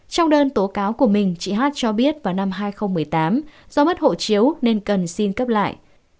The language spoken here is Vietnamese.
trong đơn tố cáo của mình chị hát cho biết vào năm hai nghìn một mươi tám do mất hộ chiếu nên cần xin cấp lại